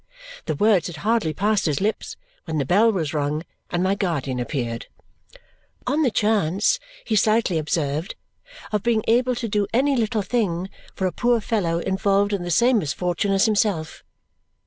The words had hardly passed his lips when the bell was rung and my guardian appeared, "on the chance," he slightly observed, "of being able to do any little thing for a poor fellow involved in the same misfortune as himself."